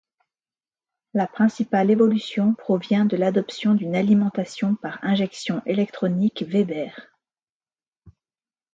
La principale évolution provient de l'adoption d'une alimentation par injection électronique Weber.